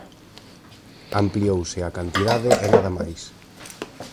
Ampliouse a cantidade e nada máis.